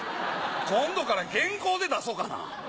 今度から原稿で出そうかな。